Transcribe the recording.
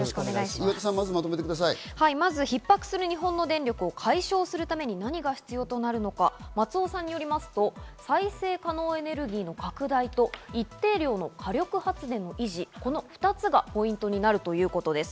まず、ひっ迫する日本の電力を解消するために何が必要となるのか、松尾さんによりますと、再生可能エネルギーの拡大と一定量の火力発電の維持、この２つがポイントになるということです。